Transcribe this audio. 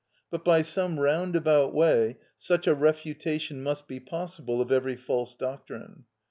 But by some round about way such a refutation must be possible of every false doctrine.